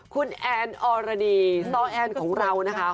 คุณแอนออรดีซอแอนของเรานะคะ